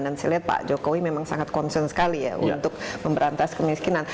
dan saya lihat pak jokowi memang sangat concern sekali ya untuk memberantas kemiskinan